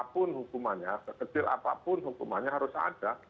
apapun hukumannya sekecil apapun hukumannya harus ada